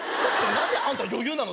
何であんた余裕なの？